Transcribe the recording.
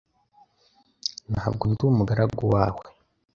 Ntabwo ndi umugaragu wawe .